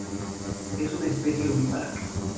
Es una especie ovípara.